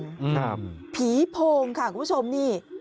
ครับค่ะคุณผู้ชมผีโพงค่ะคุณผู้ชมนี่